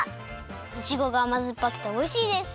いちごがあまずっぱくておいしいです！